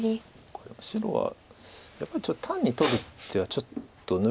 これは白はやっぱりちょっと単に取る手はちょっとぬるいんですか。